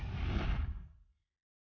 jangan rusak masa depan anak saya